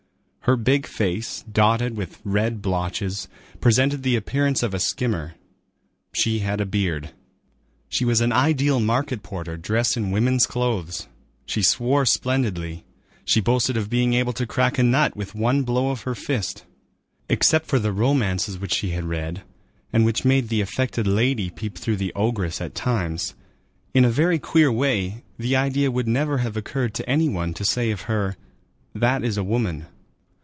Her big face, dotted with red blotches, presented the appearance of a skimmer. She had a beard. She was an ideal market porter dressed in woman's clothes. She swore splendidly; she boasted of being able to crack a nut with one blow of her fist. Except for the romances which she had read, and which made the affected lady peep through the ogress at times, in a very queer way, the idea would never have occurred to any one to say of her, "That is a woman."